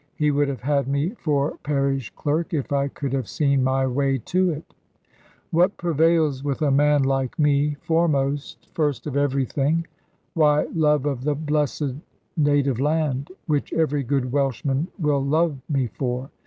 He would have had me for parish clerk, if I could have seen my way to it. What prevails with a man like me, foremost first of everything? Why, love of the blessed native land which every good Welshman will love me for.